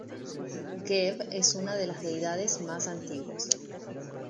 Geb es una de las deidades más antiguas.